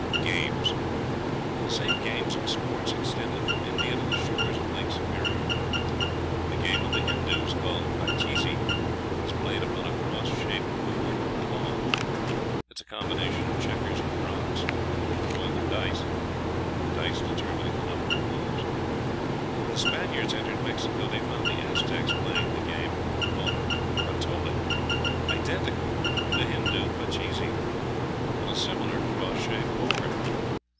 Games. The same games and sports extended from India to the shores of Lake Superior. The game of the Hindoos, called pachisi, is played upon a cross shaped board or cloth; it is a combination of checkers and draughts, with the throwing of dice, the dice determining the number of moves; when the Spaniards entered Mexico they found the Aztecs playing a game called patolli, identical with the Hindoo pachisi, on a similar cross shaped board.